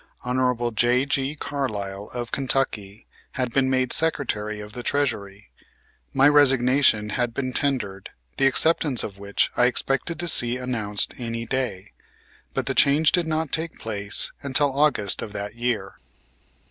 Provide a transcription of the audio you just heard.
Hon. J.G. Carlisle, of Kentucky, had been made Secretary of the Treasury. My resignation had been tendered, the acceptance of which I expected to see announced any day, but the change did not take place until August of that year.